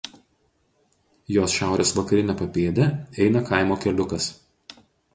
Jos šiaurės vakarine papėde eina kaimo keliukas.